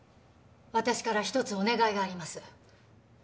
私から一つお願いがあります。